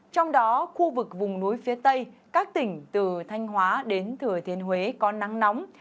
trong đó khu vực vùng núi phía tây các tỉnh từ thanh hóa đến thừa thiên huế có nắng nóng